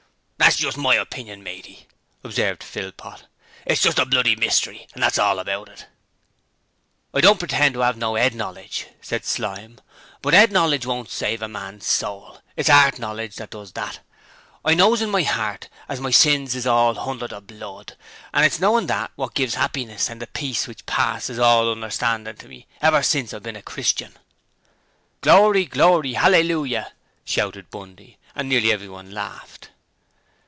'That's just my opinion, matey,' observed Philpot. 'It's just a bloody mystery, and that's all about it.' 'I don't pretend to 'ave no 'ead knowledge,' said Slyme, 'but 'ead knowledge won't save a man's soul: it's 'EART knowledge as does that. I knows in my 'eart as my sins is all hunder the Blood, and it's knowin' that, wot's given 'appiness and the peace which passes all understanding to me ever since I've been a Christian.' 'Glory, glory, hallelujah!' shouted Bundy, and nearly everyone laughed.